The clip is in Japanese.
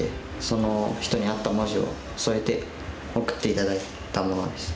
その人に合った文字を添えて贈って頂いたものです。